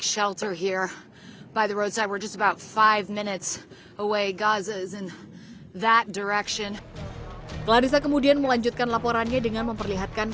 clarissa kemudian melanjutkan laporannya dengan memperlihatkan